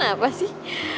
lo kenapa sih